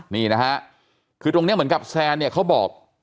นี่นะฮะคือตรงนี้เหมือนกับแซนเนี่ยเขาบอก